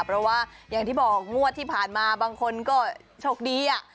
เพราะว่าอย่างที่บอกงวดที่ผ่านมาบางคนก็โชคดีอ่ะ